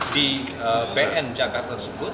di bn jakarta tersebut